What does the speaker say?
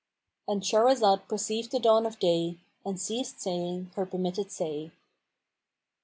— And Shahrazad perceived the dawn of day and ceased saying her permitted say.